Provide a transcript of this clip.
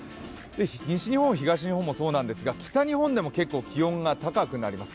西日本、東日本もそうなんですが北日本でも結構気温が高くなります。